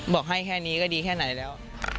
บอกให้แค่นี้ก็ดีแค่ไหนแล้ว